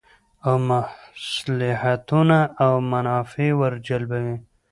او مصلحتونه او منافع ور جلبوی